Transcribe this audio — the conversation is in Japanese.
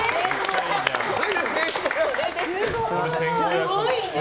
すごいね。